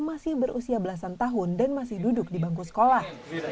masih berusia belasan tahun dan masih duduk di bangku sekolah